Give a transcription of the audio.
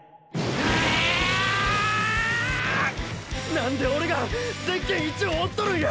何でオレがゼッケン１を追っとるんや！